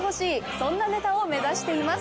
そんなネタを目指しています。